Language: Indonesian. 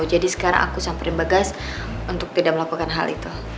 jadi sekarang aku samperin bagas untuk tidak melakukan hal itu